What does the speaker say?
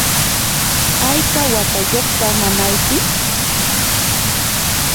¿hayka watayuqta mamayki?